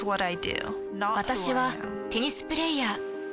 私はテニスプレイヤー。